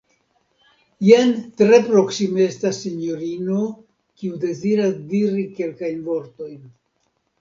Jen tre proksime estas sinjorino, kiu deziras diri kelkajn vortojn.